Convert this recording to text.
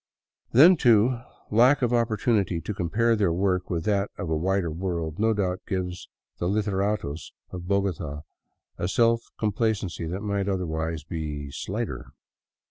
Then, too, lack of opportunity to compare their work with that of a wider world no doubt gives the " literatos " of Bogota a self com placency that might otherwise be slighter.